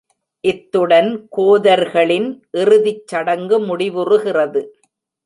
இத்துடன் கோதர்களின் இறுதிச்சடங்கு முடிவுறுகிறது.